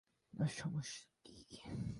আপনার সমস্যা কি?